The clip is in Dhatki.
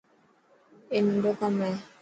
اي ننڊو ڪم هي.